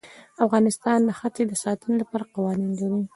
افغانستان د ښتې د ساتنې لپاره قوانین لري.